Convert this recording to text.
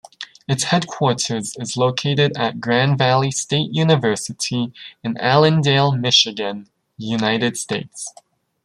Its headquarters is located at Grand Valley State University in Allendale, Michigan, United States.